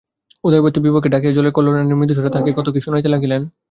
উদয়াদিত্য বিভাকে ডাকিয়া জলের কল্লোলের ন্যায় মৃদু স্বরে তাহাকে কত কী কাহিনী শুনাইতে লাগিলেন।